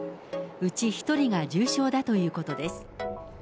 うち１人が重症だということです。